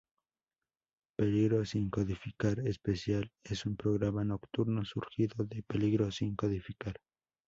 Peligro Sin codificar: Especial es un programa nocturno surgido de Peligro: Sin codificar.